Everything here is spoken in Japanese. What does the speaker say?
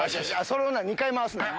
それを２回回すねん。